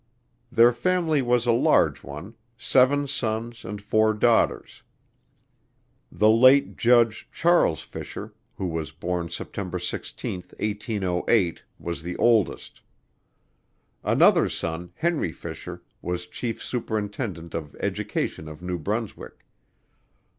Their family was a large one, seven sons and four daughters. The late Judge Charles Fisher, who was born September 16, 1808, was the oldest. Another son, Henry Fisher, was Chief Superintendent of Education of New Brunswick.